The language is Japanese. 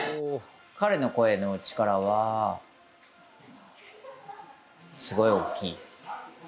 彼の声の力はすごい大きい。